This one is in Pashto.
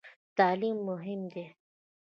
تعلیم مهم دی؟